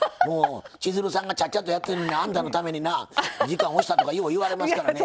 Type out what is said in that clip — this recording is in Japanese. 千鶴さんがちゃっちゃとやってるのにあんたのためにな時間押したとかよう言われますからね。